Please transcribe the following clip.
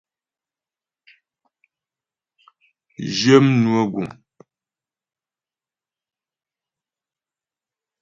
Zhyə mnwə guŋ.